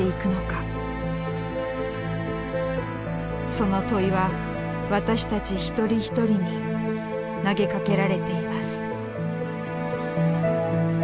その問いは私たち一人一人に投げかけられています。